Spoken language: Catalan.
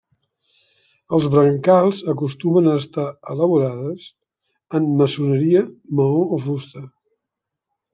Els brancals acostumen a estar elaborades en maçoneria, maó o fusta.